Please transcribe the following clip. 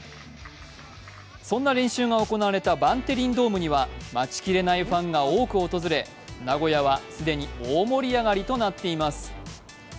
そんな練習が行われたバンテリンドームには、待ちきれないファンが多く訪れ名古屋は既に大盛り上がりとなっています。